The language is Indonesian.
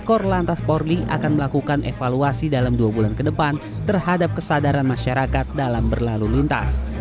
korlantas porli akan melakukan evaluasi dalam dua bulan ke depan terhadap kesadaran masyarakat dalam berlalu lintas